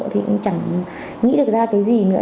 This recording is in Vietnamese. thì cũng chẳng nghĩ được ra cái gì nữa